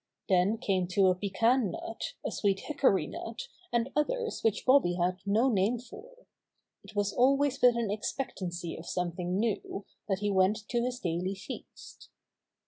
Then came to a pecan nut, a sweet hickory nut and others which Bobby had no name for. It was always with an expectancy of something new that he went to his daily feast.